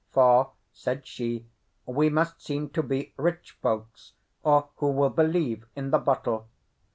"For," said she, "we must seem to be rich folks, or who will believe in the bottle?"